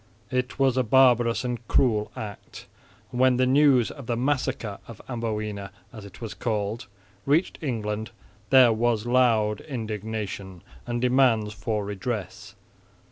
It was a barbarous and cruel act; and when the news of the "massacre of Amboina," as it was called, reached England, there was loud indignation and demands for redress.